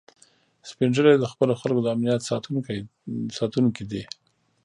سپین ږیری د خپلو خلکو د امنیت ساتونکي دي